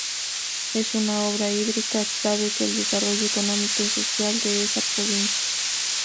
Es una obra hídrica clave para el desarrollo económico y social de esa provincia.